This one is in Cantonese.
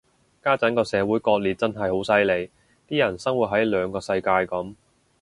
家陣個社會割裂真係好犀利，啲人生活喺兩個世界噉